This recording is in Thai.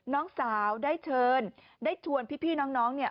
น้องสาวได้เชิญได้ชวนพี่น้องเนี่ย